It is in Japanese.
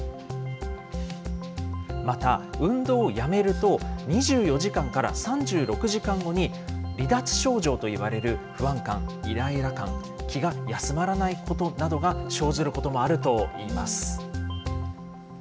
また、運動をやめると、２４時間から３６時間後に離脱症状といわれる不安感、いらいら感、気が休まらないことなどが生じることもあるといいます。